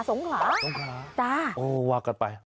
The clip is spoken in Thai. สงขราว่ากันไปจ้ะ